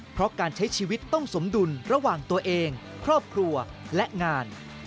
เพราะการใช้ชีวิตต้องสมดุลระหว่างตัวเองครอบครัวและงาน